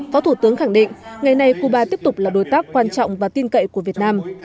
phó thủ tướng khẳng định ngày nay cuba tiếp tục là đối tác quan trọng và tin cậy của việt nam